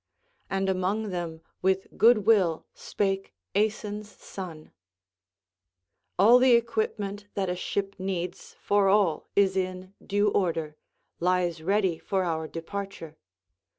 And among them with goodwill spake Aeson's son: "All the equipment that a ship needs for all is in due order—lies ready for our departure.